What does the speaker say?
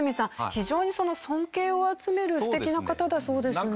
非常に尊敬を集める素敵な方だそうですね。